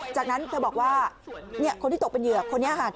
จากนั้นเธอบอกว่าคนที่ตกเป็นเหยื่อคนนี้ค่ะ